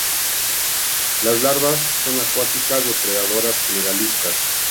Las larvas son acuáticas depredadoras generalistas.